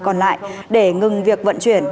còn lại để ngừng việc vận chuyển